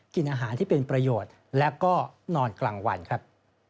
กินอาหารที่เป็นประโยชน์และก็นอนกลางวันครับ